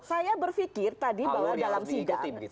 saya berpikir tadi bahwa dalam sidang